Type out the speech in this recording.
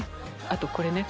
あとこれね！